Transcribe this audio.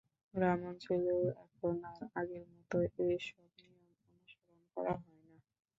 গ্রামাঞ্চলেও এখন আর আগের মতো এ সব নিয়ম অনুসরণ করা হয় না।